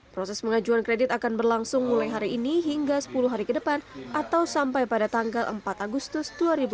proses pengajuan kredit akan berlangsung mulai hari ini hingga sepuluh hari ke depan atau sampai pada tanggal empat agustus dua ribu dua puluh